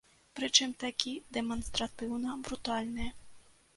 Прычым такі дэманстратыўна брутальны.